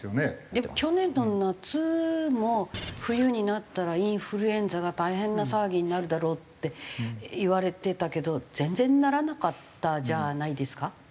でも去年の夏も冬になったらインフルエンザが大変な騒ぎになるだろうっていわれてたけど全然ならなかったじゃないですか？